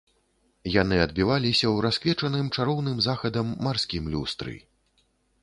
Яны адбіваліся ў расквечаным чароўным захадам марскім люстры.